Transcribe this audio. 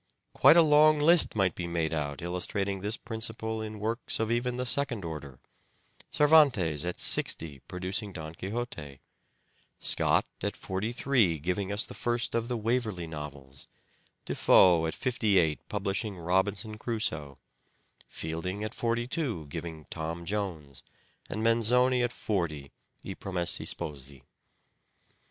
Quite a long list might be made out illustrating this principle in works of even the second order ; Cervantes at sixty producing " Don Quixote," Scott at forty three giving us the first of the Waverley Novels, Defoe at fifty eight publishing " Robinson Crusoe "; Fielding at forty two giving " Tom Jones," and Manzoni at forty " I Promessi Sposi."